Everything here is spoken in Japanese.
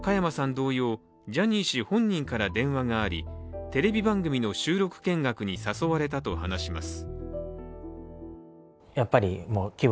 同様、ジャニー氏本人から電話があり、テレビ番組の収録見学に誘われたといいます。